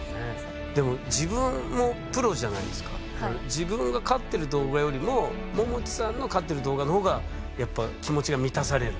自分が勝ってる動画よりもももちさんの勝ってる動画の方がやっぱ気持ちが満たされる？